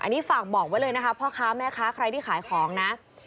อันนี้ฝากบอกไว้เลยนะคะพ่อค้าแม่ค้าใครที่ขายของนะ